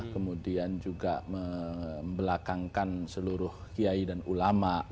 kemudian juga membelakangkan seluruh kiai dan ulama